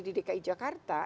di dki jakarta